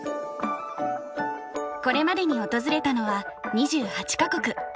これまでに訪れたのは２８か国。